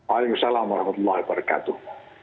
waalaikumsalam warahmatullahi wabarakatuh